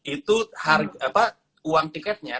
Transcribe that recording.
itu uang tiketnya